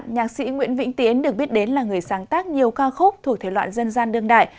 nhạc sĩ nguyễn vĩnh tiến được biết đến là người sáng tác nhiều ca khúc thuộc thể loạn dân gian đương đại